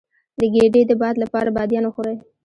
د ګیډې د باد لپاره بادیان وخورئ